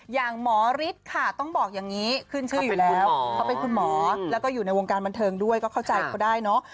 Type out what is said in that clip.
หมอฤทธิ์ค่ะต้องบอกอย่างนี้ขึ้นชื่ออยู่แล้วเขาเป็นคุณหมอแล้วก็อยู่ในวงการบันเทิงด้วยก็เข้าใจเขาได้เนอะ